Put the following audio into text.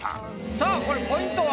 さあこれポイントは？